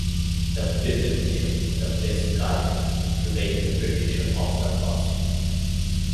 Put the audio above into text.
The present is the best guide to the interpretation of the past.